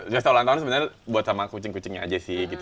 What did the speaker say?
pesta ulang tahun sebenarnya buat sama kucing kucingnya aja sih